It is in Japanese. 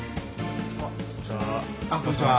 あっこんにちは。